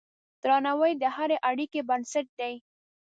درناوی د هرې اړیکې بنسټ دی.